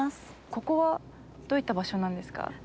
ここはどういった場所なんですか？